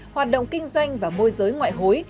hoạt động kinh doanh và môi giới ngoại hối